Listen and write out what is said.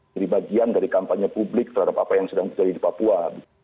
bagian dari kampanye publik terhadap apa yang sedang terjadi di papua